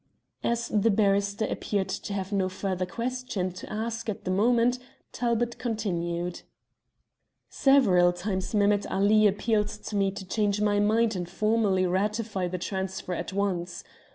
As the barrister appeared to have no further question to ask at the moment, Talbot continued "Several times Mehemet Ali appealed to me to change my mind and formally ratify the transfer at once.